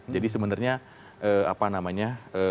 jadi sebenarnya apa namanya